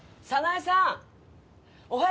早苗さんが！